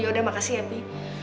yaudah makasih ya pi